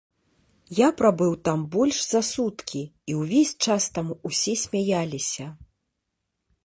Я прабыў там больш за суткі, і ўвесь час там усе смяяліся.